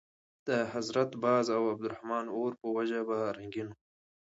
د حضرت باز او عبدالرحمن اور په وجه به رنګین وو.